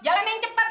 ayo jalan yang cepet